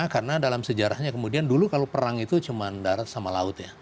karena dalam sejarahnya kemudian dulu kalau perang itu cuma darat sama laut ya